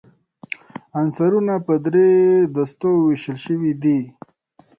عنصرونه په درې دستو ویشل شوي دي.